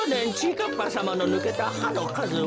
かっぱさまのぬけたはのかずは？